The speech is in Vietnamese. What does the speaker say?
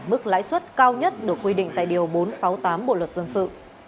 mức lãi suất cao nhất được quy định tại điều bốn trăm sáu mươi tám bộ luật dân sự